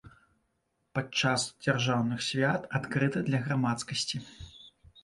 Падчас дзяржаўных свят адкрыты для грамадскасці.